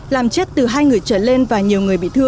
làm chết từ hai người trở lên và nhiều người chết